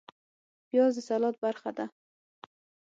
پیاز د سلاد برخه ده